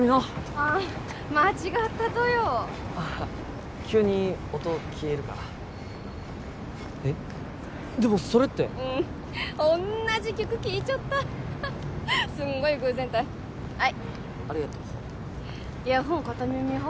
ああ間違ったとよあっ急に音消えるからえっでもそれってうんおんなじ曲聴いちょったすんごい偶然たいはいありがとうイヤホン片耳派？